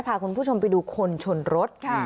พาคุณผู้ชมไปดูคนชนรถ